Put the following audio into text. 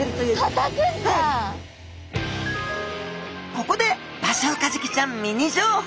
ここでバショウカジキちゃんミニ情報！